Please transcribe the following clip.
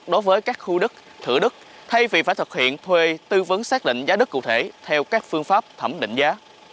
đối với các khu đất thử đức thay vì phải thực hiện thuê tư vấn xác định giá đất cụ thể theo các phương pháp thẩm định giá